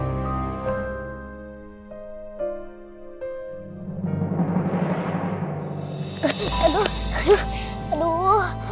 aduh aduh aduh